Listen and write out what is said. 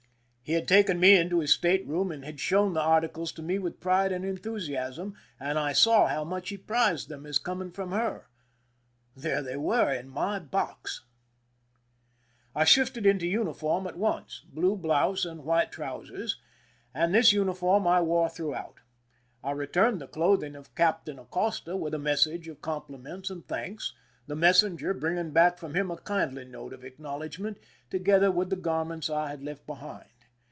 He had taken me into his state room and had sliown the articles to me with pride and enthu siasm, and I saw how much he prized them as coming from her. There they were in my box ! I shifted into uniform at once— blue blouse and white trousers ; and this uniform I wore through out. I returned the clothing of Captain Acosta, with a message of compliments and thanks, the messenger bringing back from him a kindly note of acknowledgment, together with the garments I had left behind.